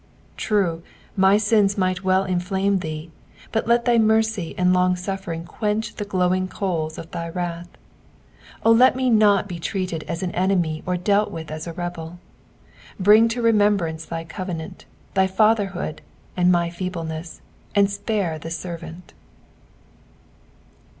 True, my sins might well inflame thee, but let thy mercy and long suffering quench the glowing coals of thy wrath. O let me not be treated as an enemy or dealt with as a rebel. Bring to remembrance thy covenant, thy fatherhood, and my feelileaesa, and spare the servant.